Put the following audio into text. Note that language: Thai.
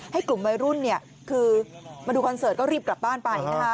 กลุ่มวัยรุ่นคือมาดูคอนเสิร์ตก็รีบกลับบ้านไปนะคะ